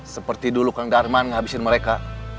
seperti dulu kang darman ngabisin mereka